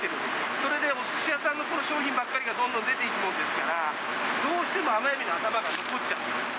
それでおすし屋さんの商品ばっかりがどんどんどんどん出ていくもんですから、どうしても甘エビの頭が残っちゃう。